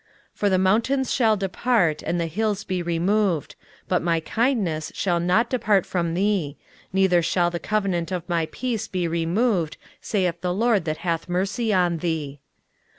23:054:010 For the mountains shall depart, and the hills be removed; but my kindness shall not depart from thee, neither shall the covenant of my peace be removed, saith the LORD that hath mercy on thee.